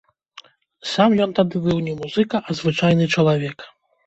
Сам ён тады быў не музыка, а звычайны чалавек.